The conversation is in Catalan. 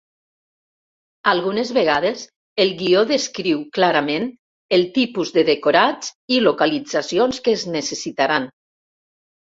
Algunes vegades, el guió descriu clarament el tipus de decorats i localitzacions que es necessitaran.